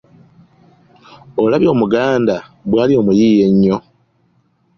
Olabye Omuganda bw'ali omuyiiya ennyo?